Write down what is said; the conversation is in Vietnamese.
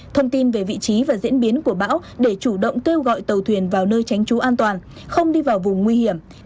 thông tin về vị trí và diễn biến của bão để chủ động kêu gọi tàu thuyền vào nơi tránh trú an toàn không đi vào vùng nguy hiểm